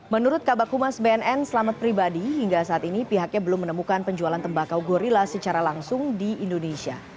menurut kabak humas bnn selamat pribadi hingga saat ini pihaknya belum menemukan penjualan tembakau gorilla secara langsung di indonesia